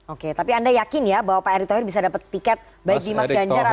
oke tapi anda yakin ya pak erick thohir bisa dapat tiket baik di mas ganjar atau di pak prabowo